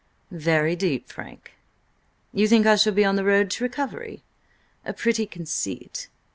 "Very deep, Frank! You think I shall be on the road to recovery? A pretty conceit.